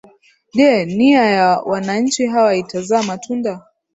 je nia ya wananchi hawa itazaa matunda